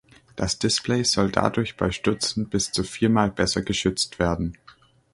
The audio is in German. Das Display soll dadurch bei Stürzen bis zu vier mal besser geschützt werden.